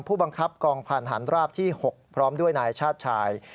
ผู้บังคับกองพันธหารราบที่๖พร้อมด้วยนายชาติชาย